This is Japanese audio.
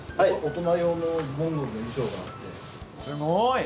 すごい！